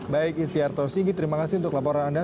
baik istiarto sigi terima kasih untuk laporan anda